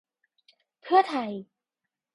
เพื่อไทย